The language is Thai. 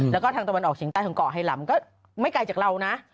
แล้วก็ทางตะวันออกเฉียงใต้ของเกาะไฮลำก็ไม่ไกลจากเรานะ